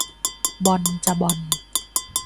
บอลจ้ะบอล